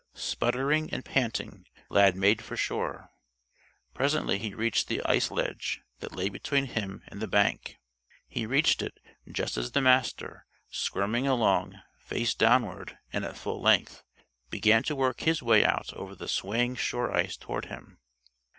Sputtering and panting, Lad made for shore. Presently he reached the ice ledge that lay between him and the bank. He reached it just as the Master, squirming along, face downward and at full length, began to work his way out over the swaying shore ice toward him.